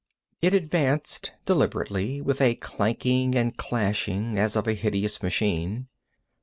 It advanced deliberately, with a clanking and clashing as of a hideous machine.